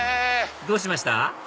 どうしました？